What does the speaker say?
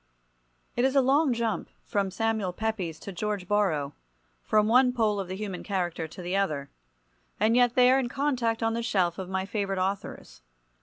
V. It is a long jump from Samuel Pepys to George Borrow—from one pole of the human character to the other—and yet they are in contact on the shelf of my favourite authors.